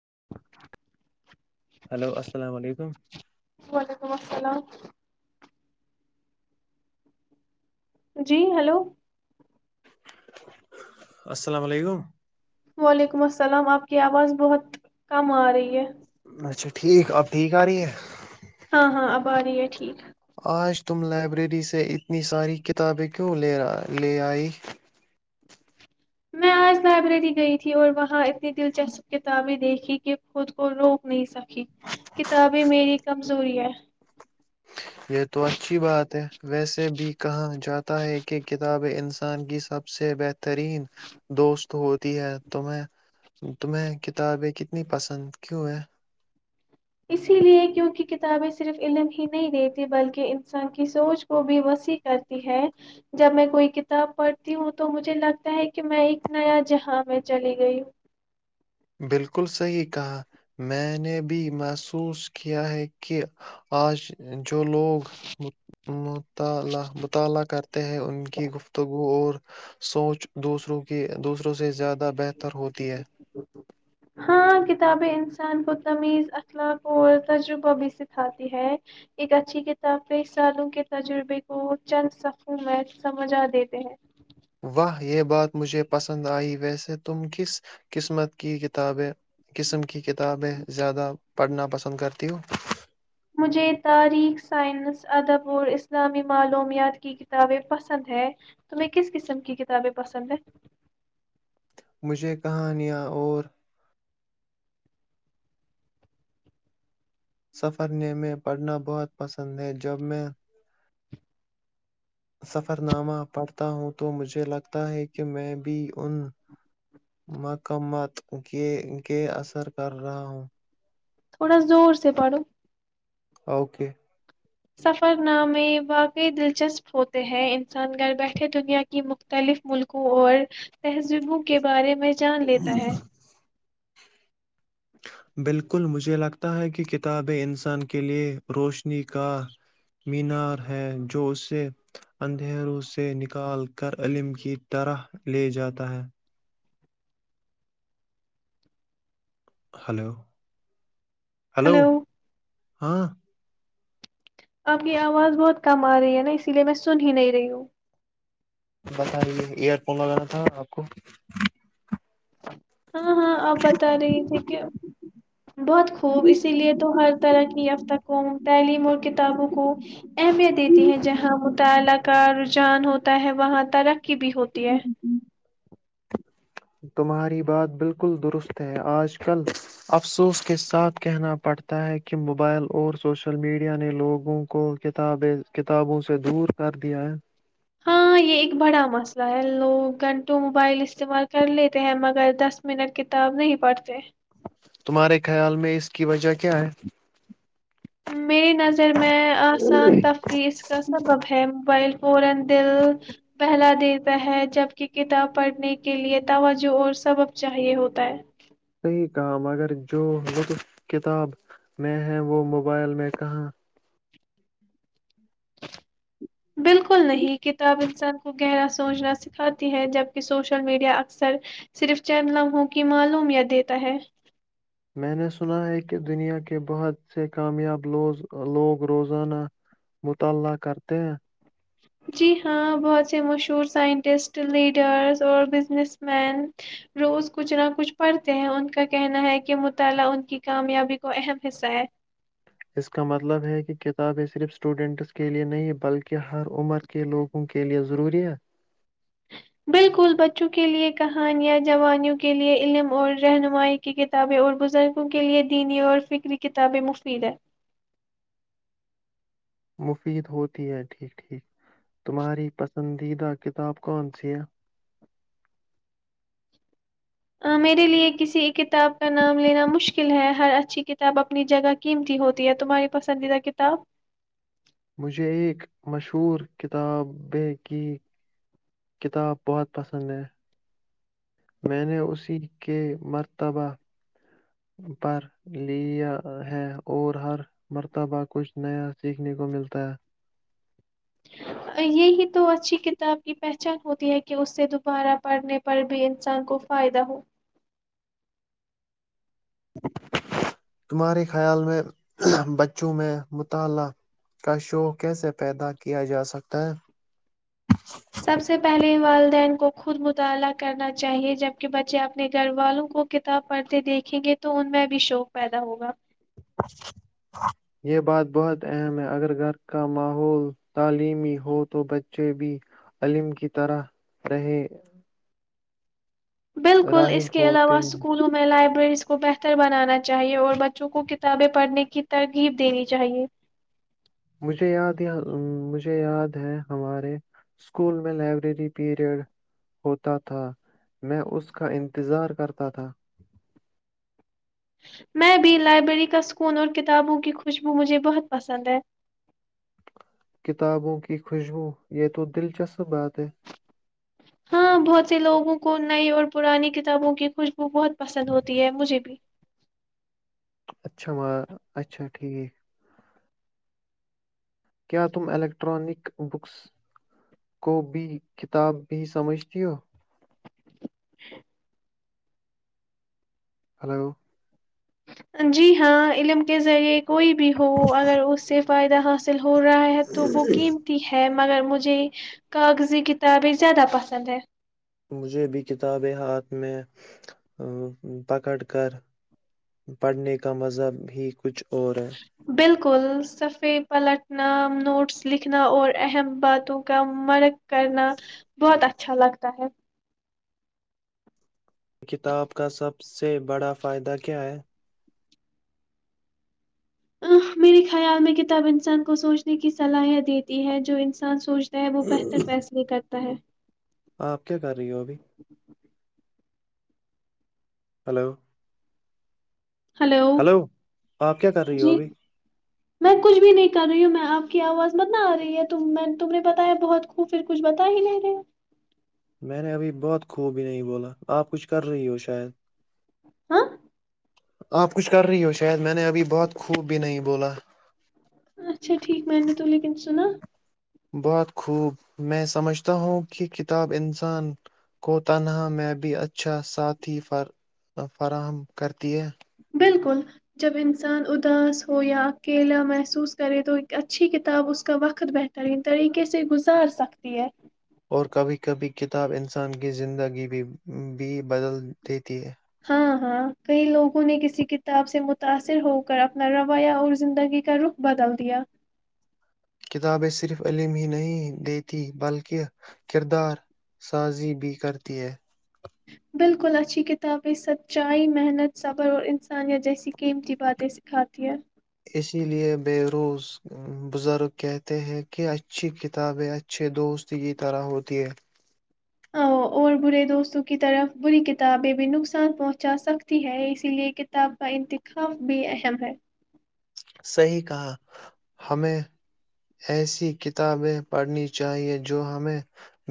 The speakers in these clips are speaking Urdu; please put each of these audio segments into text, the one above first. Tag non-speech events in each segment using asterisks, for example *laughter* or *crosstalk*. *inaudible* ہلو السلام علیکم وعلیکم السلام جی ہیلو السلام علیکم وعلیکم السلام آپ کی آواز بہت کم آ رہی ہے اچھا ٹھیک اپ ٹھیک آ رہی ہے بیا ٹھیک آج تم لائبریری سے اتنی ساری کتابیں کیوں لے رہا لے آئی میں آج لائبریری گئی تھی اور وہاں اتنی دلچسپ کتابیں دیکھی کہ خود کو روک نہیں سکتا کتابیں میری کمزوری ہے یہ تو اچھی بات ہے ویسے بھی کہا جاتا ہے کہ کتابیں انسان کی سب سے بہترین دوست ہوتی ہے تمیں تمیں کتابیں کتنی پسند کیوں ہے اسی لیے کیونکہ کتابیں صرف علم ہی نہیں دیتی بلکہ انسان کی سوچ کو بھی وسیع کرتی ہے جب میں کوئی کتاب پڑھتی ہوں تو مجھے لگتا ہے کہ میں ایک نیا جہاں میں چلی گئی ہوں بالکل صحیح کہا میں نے بھی محسوس کیا ہے کہ آج جو لوگ مطالعہ مطالعہ کرتے ہیں ان کی گفتگو اور سوچ دوسروں کی کہ دوسروں سے زیادہ بہتر ر ہوتی ہے ہاں کتابیں انسان کو تمیز اخلاق اور تجربہ بھی سکھاتی ہے ایک اچھی کتاب پہ سالوں کے تجربے کو چند صفوں میں سمجھا دیتے ہیں واہ یہ بات مجھے پسند آئی ویسم تم ک کس قسمت کی ک کتابیں قسم کی کتابیں زیادہ پڑھنا پسند کرتی ہوں مجھے تاریخ سائنس ادب اور اسلامی معلومیات کی کتابیں پسند ہے تمہیں کس قسم کی کتابیں پسند ہیں مجھے کہانیاں اور سفر نے میں پڑھنا بہت پسند ہے جب میں سفرنامہ پڑھتا ہوں تو مجھے لگتا ہے کہ میں بھی ان مکمت کے اثر کر رہا ہوں تھوڑا زور سے پڑو اوکے سفر نامے واقعی دلچسپ ہوتے ہیں انسان گھر بیٹھے دنیا کی مختلف ملکوں اور تہذیبوں کے بارے میں جان لیتا ہے بالکل مجھے لگتا ہے کہ کتابیں انسان کے لئے روشنی کا مینار ہے جو اسے اندھیروں سے نکال کر علم کی طرح لے جاتا ہے ہلو ہلو ہاں آپ کی آواز بہت کم آ رہی ہے نا اسی لیے میں سن ہی نہیں رہی ہوں بتا رہے ایئر فون لگانا تھا آپ کو ہاں ہاں آپ بتا رہی تھے کہ بہت خوب اسی لیے تو ہر طرح کی یافتوم تعلیم اور کتابوں کو اہمیت دیتی ہے جہاں مطالعہ کا رجحان ہوتا ہے وہاں ترقی بھی ہوتی ہے تمہاری بات بالکل درست ہے آج کل افسوس کے ساتھ کہنا پڑتا ہے کہ موبائل اور سوشل میڈیا نے لوگوں کو کتاب کتابوں سے دور کر دیا ہے ہاں یہ ایک بڑا مسئلہ ہے لوگ گھنٹوں موبائل استعمال کر لیتے ہیں مگر دس منٹ کتاب نہیں پڑھتے تمہارے خیال میں اس کی وجہ کیا ہے میری نظر میں آسان تفریح کا سبب ہے موبائل پن دل پہلا دن ہے جبک کتاب پڑھنے کے کے لیے توجہ اور سب چاہے ہوتا ہے صحیح کہا مگر جو وطف کتاب میں ہے وہ موبائل میں کہاں بالکل نہیں کتاب ان س وہ گہرا سوچنا سکھا ہے جبکہ سوشل میڈیا اکثر صرف چین لمحوں کی معلوممیت دیتا ہے میں نے سنا ہے کہ دنیا کے بہت سے کامیابوز لوگ روزانہ مطالعہ کرتے ہیں جی ہاں بہت سے مشہور سائنٹسٹ لیڈرس اور بزنس مین روز کچھ نہ کچھ پڑھتے ہیں ان کا کہنا ہے کہ مطالعہ ان کی کامیابی کو اہم حصہ ہے اس کا مطلب ہے کہ کتابیں صرف اسٹوڈنٹس کے لیے نہیں بلکہ ہر عمر کے لوگوں کے لیئے ضروری ہے بالکل بچوں کیلئے کہانیاں جوانیوں کیلئے علم اور رہنمائی کی کتابیں اور بزرگوں کےلئے دینی اور فکری کتابیں مفید ہے مفید ہوتی ہے ٹھیک ٹھیک تمہاری پسندیدہ کتاب کون سی ہے آ میرے لیے کسی کتاب کا نام لینا مشکل ہے ہر اچھی کتاب اپنی جگہ قیمتی ہوتی ہے تمہاری پسندیدہ کتاب مجھے ایک مشہور کتاب کی کتاب بہت پسند ہے میں نے اسی کے مرتبہ پر لیا ہے اور ہر مرتبہ کچھ نیا سیکھنے کو ملتا ہے یہی تو اچھی کتاب کی پہچان ہوتی ہے کہ اس سے دوبارہ پڑھنے پر بھی انسان کو فائدہ ہو تمہارے خیال میں بچوں میں مطالعہ کا شوق کیسے پیدا کیا جاسکتا ہے سب سے پہلے والدین کو خود مطالعہ کرنا چاہیئے جبکہ بچے اپنے گھر والوں کو کتاب پڑھتے دیکھیں گے تو ان میں بھی شوق پیدا ہوگا یہ بات بہت اہم ہے اگر گھر کا ماحول تعلیمی ہو تو بچے بھی علم کی طرح رہے بالکل اس راہب کے علاوہ ہوتے ہیں اسکولوں میں لائبریریز کو بہتر بنانا چاہئے اور بچوں کو کتابیں پڑھنے کی ترغیب دینی چاہئے *unintelligible* میں بھی لائبریری کا سکون اور کتابوں کی خوشبو مجھے بہت پسند ہے کتابوں کی خوشبو یہ تو دلچسپ بات ہے ہاں بہت سے لوگوں کو نئی اور پرانی کتابوں کی خوشبو بہت پسند ہوتی ہے مجھے بھی اچھا م اچھا ٹھیک ہے کیا تم الیکٹرانک بکس کو بھی کتاب بھی سمجھتی ہو اچھ ہلو جی ہاں علم کے ذریعے کوئی بھی ہو اگر اس سے فائدہ حاصل ہو رہا ہے تو وہ قیمتی ہے مگر مجھے کاغذی کتابیں زیادہ پسند ہے مجھے بھی کتابیں ہاتھ میں پکڑ کر پڑھنے کا مذہ ہی کچھ اور بالکل صفے پلٹنا نوٹس لکھنا اور اہم باتوں کا مرک کرنا بہت اچھا اچھا لگتا ہے یہ کتاب کا سب سے بڑا فائدہ کیا ہے؟ ا میرے خیال میں کتاب انسان کو سوچنے کی صلاحیت دیتی ہے جو انسان سوچ ہے وہ بہتر فیصلے کر تا ہے آپ کیا کر رہی ہو ابھی ہلو ہلو آپ کیا کر رہی ہو جی ابھی میں کچھ بھی نہیں کر رہی ہوں میں آپ کی آواز مت نہ آ رہی ہے ت تم نے بتایا بہت خ پھر کچھ بتا ہی نہیں رہے ہو میں نے ابھی بہت خوب ہی نہیں بولا آپ کچھ کر رہی ہو شاید ہاں آپ کچھ کر رہی ہو شاید میں نے ابھی بہت خوب بھی نہیں بولا اچھا ٹھیک میں نے تو لیکن سنا بہت خوب میں سمجھتا ہوں کہ کتاب انسان کو تنہا میں بھی اچھا ساتھی فراہم کرتی ہے بالکل جب انسان اداس ہو یا اکیلا محسوس کرے تو اچھی کتاب اس کا وقت بہترین طریقے سے گزار سکتی ہے اور کبھی کبھی کتاب انسان کی زندگی بھی بدل دیتی ہے ہاں ہاں کئی لوگوں نے کسی کتاب سے متاثر ہو کر اپنا رویہ اور زندگی کا رخ بدل دیا کتابیں صرف علم ہی نہیں دیتیں بلکہ کردار سازی بھی کرتی ہیں بالکل اچھی کتابیں سچائی محنت صبر اور انسانیت جیسی قیمتی باتیں سکھاتی ہیں اسی لیے بےیروس بزرگ کہتے ہیں کہ اچھی کتابیں اچھے دوست کی طرح ہوتی ہیں ا اور برے دوستوں کی طرف بری کتابیں بھی نقصان پہنچا سکتی ہے اسی لیے کتاب کا انتخاب بھی اہم ہے صحیح کہا ہمیں ایسی کتابیں پڑھنی چاہیے جو ہمیں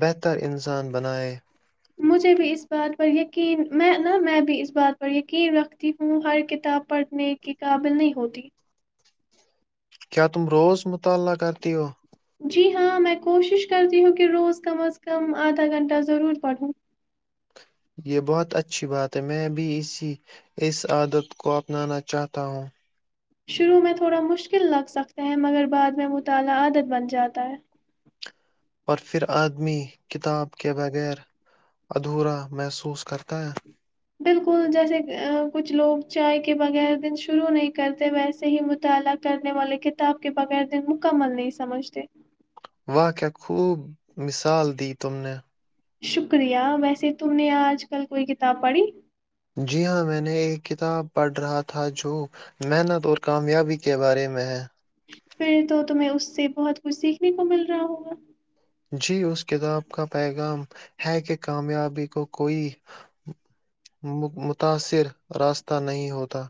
بہتر انسان بنائے مجھے بھی اس بات پر یقین میں نا میں بھی اس بات پر یقین رکھتی ہوں ہر کتاب پڑھنے کی قابل نہیں ہوتی کیا تم روز مطالعہ کرتی ہو جی ہاں میں کوشش کرتی ہوں کہ روز کم از کم آدھا گھنٹہ ضرور پڑھوں یہ بہت اچھی بات ہے میں بھی اسی اس عادت کو اپنانا چاہتا ہوں شروع میں تھوڑا مشکل لگ سکتے ہیں مگر بعد میں مطالعہ عادت بن جاتا ہے اور پھر آدمی کتاب کے بغیر ادھورا محسوس کرتا ہے بالکل جیسے کچھ لوگ چائے کے بغیر دن شروع نہیں کرتے ویسے ہی مطالعہ کرنے والے کتاب کے بغیر دن مکمل نہیں سمجھتے واہ کیا خوب مثال دی تم نے شکریہ ویسے تم نے آج کل کوئی کتاب پڑھی جی ہاں میں نے ایک کتاب پڑھ رہا تھا جو محنت اور کامیابی کے بارے میں ہے پھر تو ت اس سے بہت کچھ سیکھنے کو مل رہا ہووںگا جی اس کتاب کا پیغام ہے کہ کامیابی کو کوئی متاثر راستہ نہیں ہوتا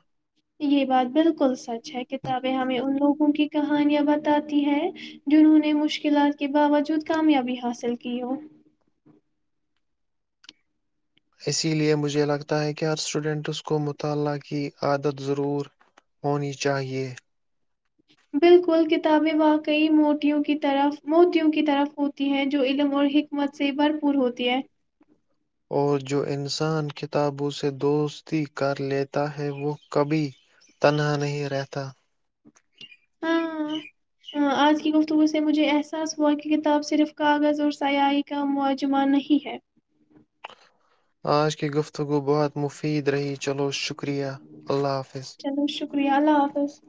یہ بات بالکل سچ اچھ کتابیں ہمیں ان لوگوں کی کہانیاں بتاتی ہیں جنہوں نے مشکلات کے باوجود کامیابی حاصل کی ہو اسی لیے مجھے لگتا ہے کہ ہر اسٹوڈنٹس کو مطالعہ کی عادت ضرور ہونی چاہیئے *unintelligible* اور جو انسان کتابوں سے دوستی کر لیتا ہے وہ کبھی تنہا نہیں رہتا *inaudible* ہاں آج کی گفتگو سے مجھے احساس ہوا کہ کتاب صرف کاغذ اور سیاحی کا معجمہ نہیں ہے آج کی گفتگو بہت مفید رہی چلو شکریہ اللہ حافظ چلو شکریہ اللہ حافظ